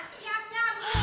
siap nyamuk ya